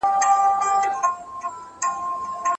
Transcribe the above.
کاشکې ټولې نړۍ ته د ازادۍ او امن پیغام ورسیږي.